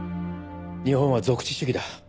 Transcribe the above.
日本は属地主義だ。